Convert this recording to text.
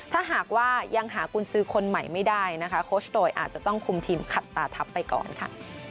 ถ้าหากว่ายังหากุญสือคนใหม่ไม่ได้นะคะโคชโตยอาจจะต้องคุมทีมขัดตาทัพไปก่อนค่ะ